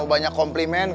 kamu banyak komplimen